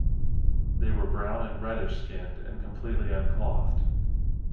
They were brown and reddish-skinned and completely unclothed.